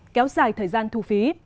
kéo dài thời gian thu phí